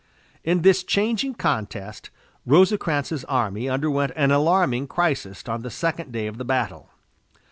In this changing contest Rosecrans's army underwent an alarming crisis on the second day of the battle.